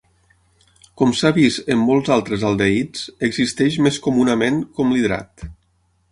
Com s'ha vist en molts altres aldehids, existeix més comunament com l'hidrat.